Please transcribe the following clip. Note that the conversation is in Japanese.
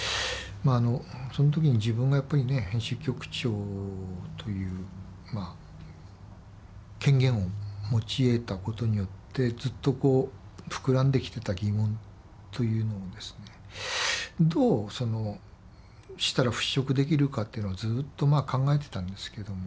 その時に自分がやっぱり編集局長という権限を持ち得たことによってずっと膨らんできてた疑問というのをですねどうしたら払拭できるかっていうのをずっと考えてたんですけども。